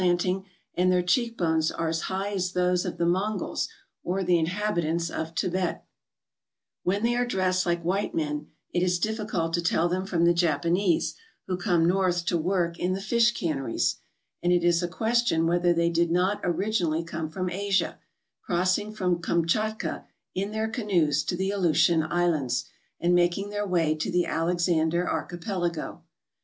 They patronise the candy counter so much as to injure the teeth of the rising generation. THE THLINGETS AND THE HYDAHS When they are dressed like white men it is difficult to tell them from the Japanese who come north to work in the fish canneries, and it is a question whether they did not originally come from Asia, crossing from Kamchatka in their canoes to the Aleutian Islands and making their way to the Alexander Archipelago.